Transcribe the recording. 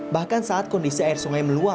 bahkan saat kondisi air sungai meluap